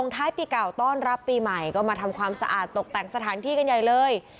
ท้ายปีเก่าต้อนรับปีใหม่ก็มาทำความสะอาดตกแต่งสถานที่กันใหญ่เลย